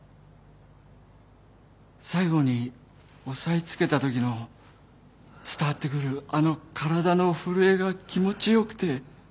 最後に押さえつけたときの伝わってくるあの体の震えが気持ち良くて。